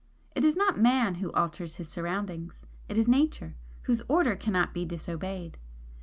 It is not Man who alters his surroundings it is Nature, whose order cannot be disobeyed.